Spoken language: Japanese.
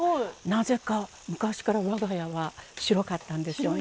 なぜか昔から我が家は白かったんですよね。